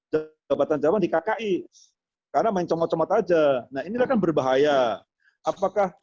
jabatan jabatan di kki karena main comot comot aja nah inilah kan berbahaya apakah